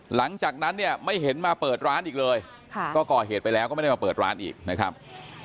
หลังจากนั้นเนี่ยไม่เห็นมาเปิดร้านอีกเลยก็ก่อเหตุไปแล้วก็ไม่ได้มาเปิดร้านอีกนะครับ